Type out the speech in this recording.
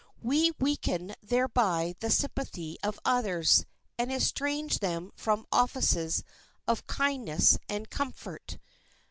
We weaken thereby the sympathy of others, and estrange them from offices of kindness and comfort.